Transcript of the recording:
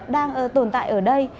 đang tồn tại ở đây